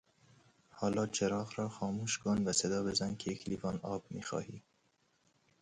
حالا چراغ را خاموش کن و صدا بزن که یک لیوان آب میخواهی.